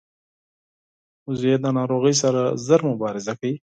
وزې د ناروغۍ سره ژر مبارزه کوي